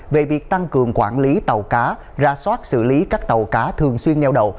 về việc tăng cường quản lý tàu cá ra soát xử lý các tàu cá thường xuyên neo đậu